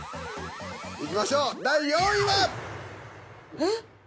いきましょう第４位は！？えっ？